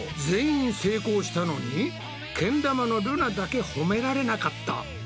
全員成功したのにけん玉のルナだけほめられなかった。